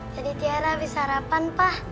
tadi tiara habis sarapan pa